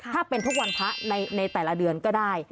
ถ้าเป็นทุกวันพระในแต่ละเดือนก็ได้